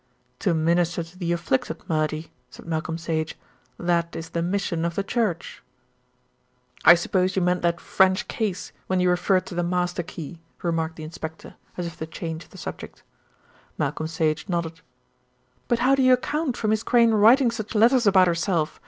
"To minister to the afflicted, Murdy," said Malcolm Sage. "That is the mission of the Church." "I suppose you meant that French case when you referred to the 'master key,'" remarked the inspector, as if to change the subject. Malcolm Sage nodded. "But how do you account for Miss Crayne writing such letters about herself?"